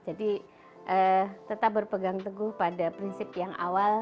jadi tetap berpegang teguh pada prinsip yang awal